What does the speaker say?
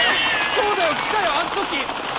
そうだよ来たよあん時！